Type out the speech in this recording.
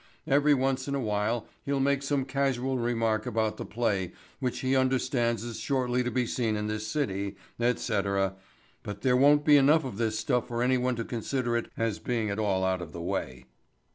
Every once in a while he'll make some casual remark about the play which he understands is shortly to be seen in this city, et cetera, but there won't be enough of this stuff for anyone to consider it as being at all out of the way.